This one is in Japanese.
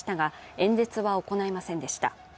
演説は行いませんでした。